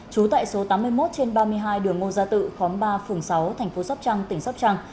trú tại số tám mươi một trên ba mươi hai đường ngô gia tự khóm ba phường sáu tp sắp trăng tỉnh sắp trăng